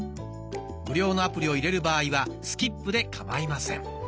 無料のアプリを入れる場合は「スキップ」でかまいません。